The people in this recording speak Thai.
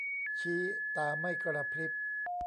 ชี้ตาไม่กระพริบ